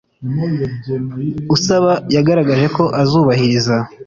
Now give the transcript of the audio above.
Usaba yagaragaje ko azubahiriza